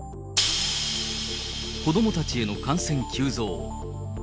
子どもたちへの感染急増。